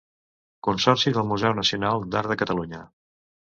Consorci del Museu Nacional d'Art de Catalunya.